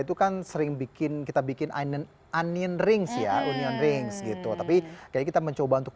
itu kan sering bikin kita bikin union rings ya union rings gitu tapi kayaknya kita mencoba untuk